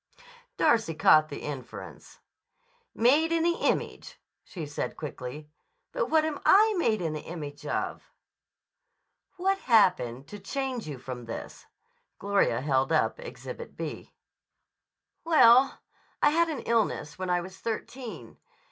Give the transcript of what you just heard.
Darcy caught the inference. "Made in the image," she said quickly. "But what am I made in the image of!" "What happened to change you from this?" Gloria held up Exhibit B. "Well, I had an illness when I was thirteen.